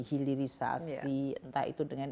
hilirisasi entah itu dengan